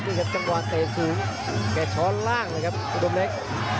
นี่ครับจังหวะเตะสูงแกช้อนล่างเลยครับอุดมเล็ก